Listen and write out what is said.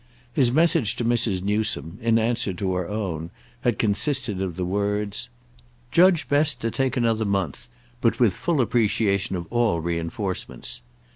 His message to Mrs. Newsome, in answer to her own, had consisted of the words: "Judge best to take another month, but with full appreciation of all re enforcements."